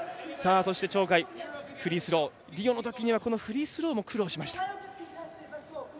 鳥海フリースローリオのときにはフリースローにも苦労しました。